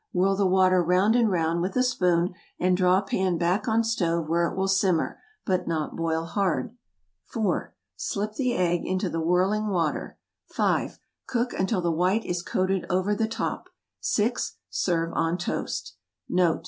Whirl the water 'round and 'round with a spoon, and draw pan back on stove where it will simmer, but not boil hard. 4. Slip the egg into the whirling water. 5. Cook until the white is coated over the top. 6. Serve on toast. NOTE.